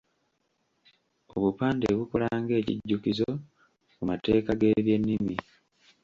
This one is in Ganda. Obupande bukola ng’ekijjukizo ku mateeka g’ebyennimi.